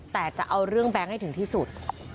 แต่จะเอาเรื่องแบงค์ให้ถึงที่สุด